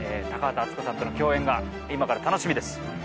高畑淳子さんとの共演が今から楽しみです。